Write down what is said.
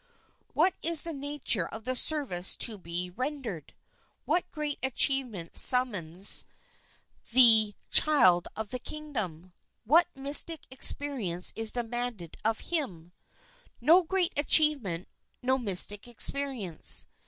What is the nature of the service to be ren dered ? What great achievement summons the .:";;):;'.,?^'\:.>, i v> ,^? INTRODUCTION child of the kingdom ? What mystic experience is demanded of him ? No great achievement, no mystic experience.